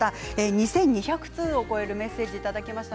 ２２００通を超えるメッセージいただきました。